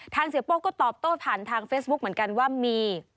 เสียโป้ก็ตอบโต้ผ่านทางเฟซบุ๊คเหมือนกันว่ามี